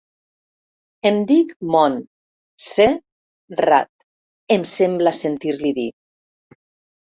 Em dic Mont, se, rat —em sembla sentir-li dir.